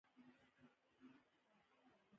دنده د انسان راتلوونکی نه شي تضمین کولای.